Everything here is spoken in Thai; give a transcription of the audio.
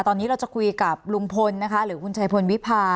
ตอนนี้เราจะคุยกับลุงพลนะคะหรือคุณชายพลวิพา